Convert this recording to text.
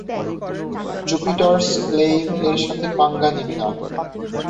Jupiter's ক্লেইম-এর সাথে পাঙ্গা নিবি না!